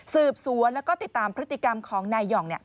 สืบสวนแล้วก็ติดตามพฤติกรรมของนายห่อง